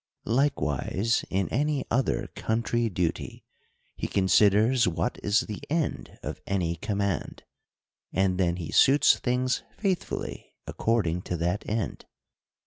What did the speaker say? Likewise in any other country duty, he considers what is the end of any com mand, and then he suits things faithfully according to that end.